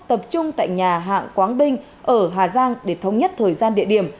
tập trung tại nhà hạng quáng binh ở hà giang để thông nhất thời gian địa điểm